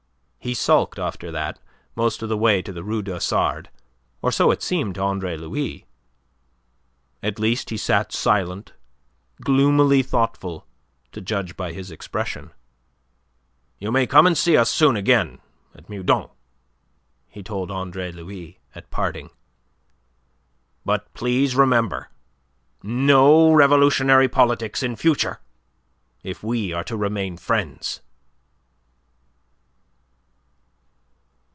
He sulked after that most of the way to the Rue du Hasard, or so it seemed to Andre Louis. At least he sat silent, gloomily thoughtful to judge by his expression. "You may come and see us soon again at Meudon," he told Andre Louis at parting. "But please remember no revolutionary politics in future, if we are to remain friends."